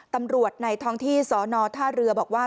ตำรวจในท้องที่สนท่าเรือบอกว่า